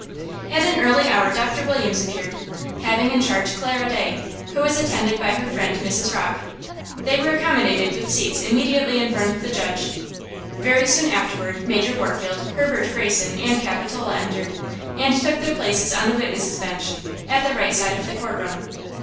At an early hour Doctor Williams appeared, having in charge Clara Day, who was attended by her friend Mrs. Rocke. They were accommodated with seats immediately in front of the judge. Very soon afterward Major Warfield, Herbert Greyson and Capitola entered, and took their places on the witness's bench, at the right side of the court room.